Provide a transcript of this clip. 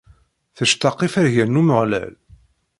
Tectaq ifergan n Umeɣlal.